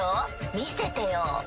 見せてよ。